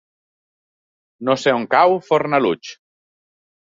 No sé on cau Fornalutx.